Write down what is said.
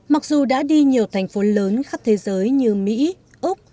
mặc dù đã đi nhiều thành phố lớn khắp thế giới như mỹ úc